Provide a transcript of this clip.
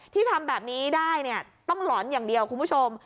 ที่ทำแบบนี้ได้ต้องหลอนอย่างเดียวคุณผู้ชม